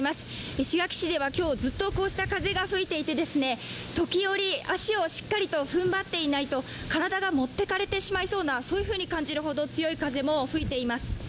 石垣市では今日ずっとこうした風が吹いていて時折、足をしっかりと踏ん張っていないと体が持って行かれそうなそういうふうに感じるほど強い風も吹いています。